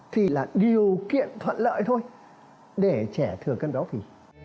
thì là điều kiện thuận lợi thôi để trẻ thừa cân béo phì